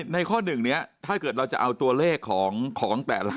ในข้อ๑นี้ถ้าเกิดเราจะเอาตัวเลขของแต่ละ